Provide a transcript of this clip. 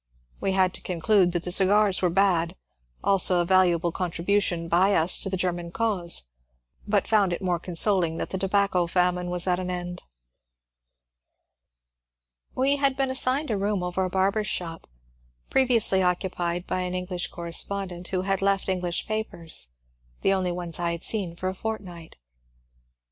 We had to con clude that the cigars were bad, also a valuable contribution by us to the German cause ; but found it more consoling that the tobacco famine was at an end. We had been assigned a room over a barber's shop, previ ously occupied by an English correspondent, who had left English papers, the only ones I had seen for a fortnight.